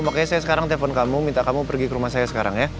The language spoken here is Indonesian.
makanya saya sekarang telepon kamu minta kamu pergi ke rumah saya sekarang ya